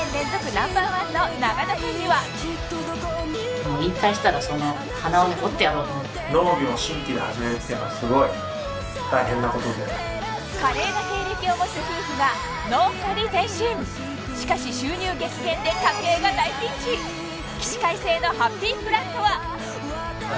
ナンバーワンの長野県には華麗な経歴を持つ夫婦が農家に転身しかし収入激減で家計が大ピンチうわうまい！